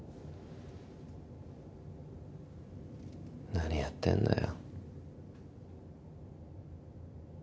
何やってんだよ？